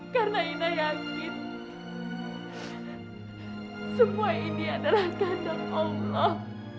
karena inah yakin semua ini adalah ganda allah